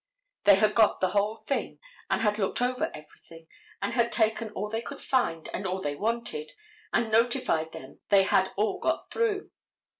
They had got the whole thing, and had looked over everything, and had taken all they could find and all they wanted, and notified them they had all got through.